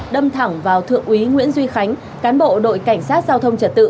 đâm thẳng vào thượng úy nguyễn duy khánh cán bộ đội cảnh sát giao thông trật tự